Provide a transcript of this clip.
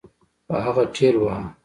خو هغه ټېلوهه.